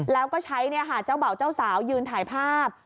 แล้วก็ใช้เจ้าเบาเจ้าสาวยืนถ่ายภาพ